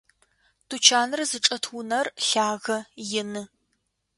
Тучаныр зычӏэт унэр лъагэ, ины.